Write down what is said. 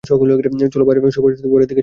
চলো সবাই বাড়ির দিকে যাওয়া যাক, চলো।